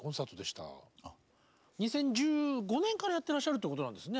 ２０１５年からやってらっしゃるということなんですね